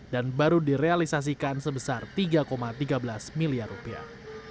dan baru direalisasikan sebesar tiga tiga belas miliar rupiah